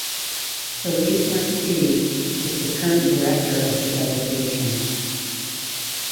Philippe Marquis is the current director of the delegation.